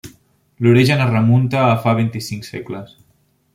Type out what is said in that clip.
L'origen es remunta a fa vint-i-cinc segles.